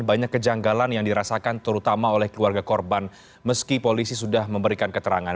banyak kejanggalan yang dirasakan terutama oleh keluarga korban meski polisi sudah memberikan keterangan